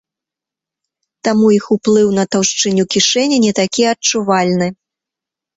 Таму іх уплыў на таўшчыню кішэні не такі адчувальны.